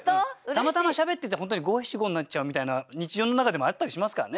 たまたましゃべってて本当に五七五になっちゃうみたいな日常の中でもあったりしますからね。